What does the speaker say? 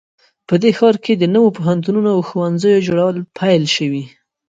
په دې ښار کې د نوو پوهنتونونو او ښوونځیو جوړول پیل شوي